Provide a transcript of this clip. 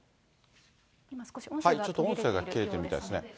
少し音声が切れてるみたいですね。